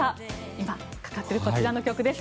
今、かかっているこちらの曲です。